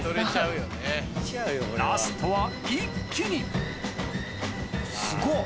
ラストは一気にすごっ！